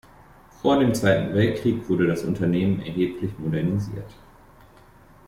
Vor dem Zweiten Weltkrieg wurde das Unternehmen erheblich modernisiert.